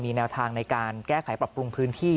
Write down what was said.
แนวทางในการแก้ไขปรับปรุงพื้นที่